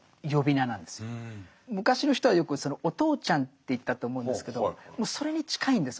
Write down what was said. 昔の人はよく「お父ちゃん」って言ったと思うんですけどそれに近いんです。